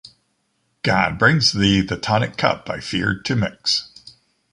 God brings thee the tonic cup I feared to mix.